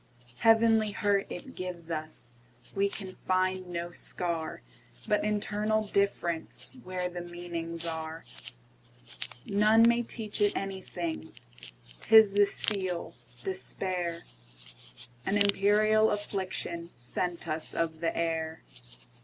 Heavenly hurt it gives us; We can find no scar, But internal differenceWhere the meanings are. None may teach it anything,'T is the seal, despair,—An imperial afflictionSent us of the air.